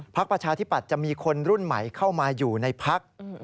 ประชาธิปัตย์จะมีคนรุ่นใหม่เข้ามาอยู่ในพัก